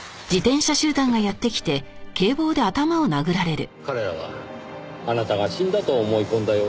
彼らはあなたが死んだと思い込んだようです。